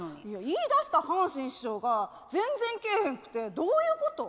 言いだした阪神師匠が全然来えへんくてどういうこと？